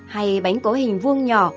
hay bánh có hình vuông nhỏ